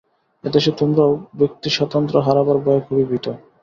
এ দেশে তোমরাও ব্যক্তিস্বাতন্ত্র্য হারাবার ভয়ে খুবই ভীত।